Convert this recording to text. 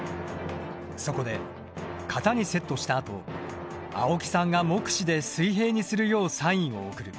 そこで型にセットしたあと青木さんが目視で水平にするようサインを送る。